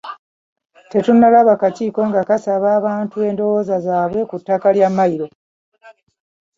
Tetunnalaba kakiiko nga kasaba abantu endowooza zaabwe ku ttaka lya Mmayiro.